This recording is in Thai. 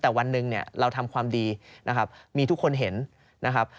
แต่วันหนึ่งเนี่ยเราทำความดีนะครับมีทุกคนเห็นนะครับ